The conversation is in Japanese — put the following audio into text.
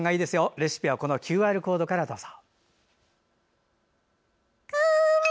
レシピはＱＲコードからどうぞ。